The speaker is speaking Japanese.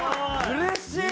うれしい！